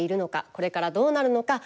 これからどうなるのか。